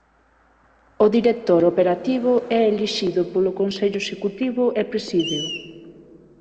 O Director Operativo é elixido polo Consello Executivo e presídeo.